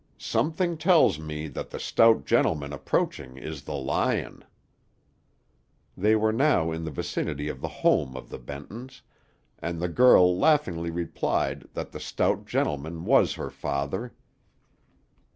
Something tells me that the stout gentleman approaching is the lion." They were now in the vicinity of the home of the Bentons', and the girl laughingly replied that the stout gentleman was her father.